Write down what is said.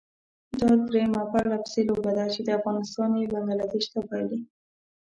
دا درېيمه پرلپسې لوبه ده چې افغانستان یې بنګله دېش ته بايلي.